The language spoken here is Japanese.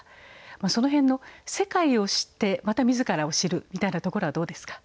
その辺の世界を知ってまた自らを知るみたいなところはどうですか？